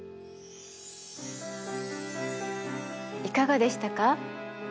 いかがでしたか？